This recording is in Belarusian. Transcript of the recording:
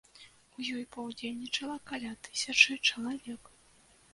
У ёй паўдзельнічала каля тысячы чалавек.